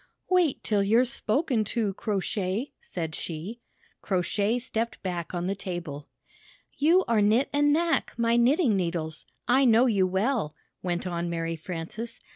"Wait till you're spoken to. Crow Shay!" said she. Crow Shay stepped back on the table. "You are IMt and Knack, my knitting needles. I know you well," went on Mary Frances.